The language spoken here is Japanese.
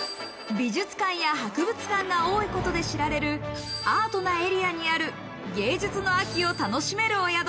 美術館や博物館が多いことで知られるアートなエリアにある芸術の秋を楽しめるお宿。